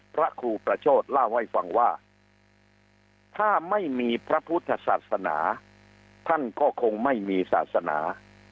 พระครูประโชธเล่าให้ฟังว่าถ้าไม่มีพระพุทธศาสนาท่านก็คงไม่มีศาสนา